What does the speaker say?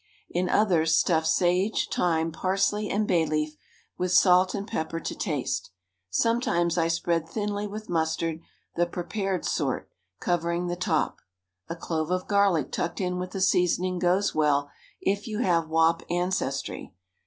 In others stuff sage, thyme, parsley and bay leaf with salt and pepper to taste. Sometimes I spread thinly with mustard, the prepared sort; covering the top. A clove of garlic tucked in with the seasoning goes well, if you have Wop ancestry.